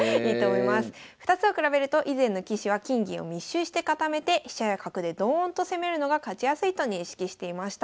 ２つを比べると以前の棋士は金銀を密集して固めて飛車や角でドーンと攻めるのが勝ちやすいと認識していました。